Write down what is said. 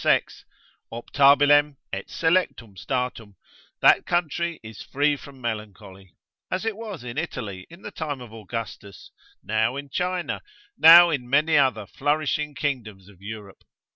6, optabilem et selectum statum, that country is free from melancholy; as it was in Italy in the time of Augustus, now in China, now in many other flourishing kingdoms of Europe.